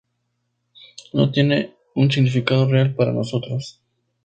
No tiene un significado real para nosotros.